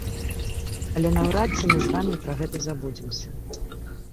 Але наўрад ці мы з вамі пра гэта забудземся.